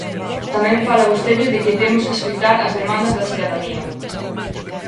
Tamén fala vostede de que temos que escoitar as demandas da cidadanía.